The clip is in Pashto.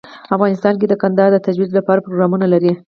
افغانستان د کندهار د ترویج لپاره پروګرامونه لري.